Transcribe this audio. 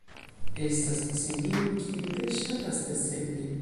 Estas simio kiu tre ŝatas desegni.